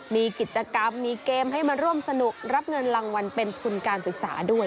มีกิจกรรมมีเกมให้มาร่วมสนุกรับเงินรางวัลเป็นทุนการศึกษาด้วย